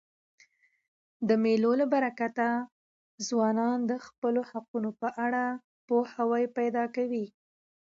د مېلو له برکته ځوانان د خپلو حقونو په اړه پوهاوی پیدا کوي.